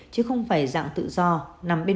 chứ không phải dạng tự do nằm bên bên